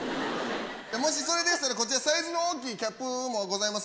もしそれでしたらこちらサイズの大きいキャップもございますので。